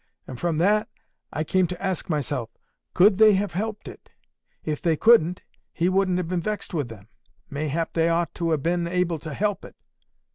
And from that I came to ask myself, 'Could they have helped it?' If they couldn't, He wouldn't have been vexed with them. Mayhap they ought to ha' been able to help it.